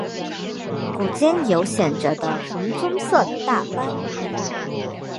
股间有显着的红棕色的大斑。